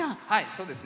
そうですね。